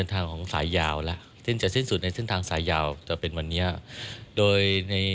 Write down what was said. ระหว่างวันที่๒๖ธันวาคมปีนี้